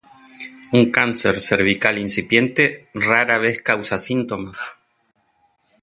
Un cáncer cervical incipiente rara vez causa síntomas.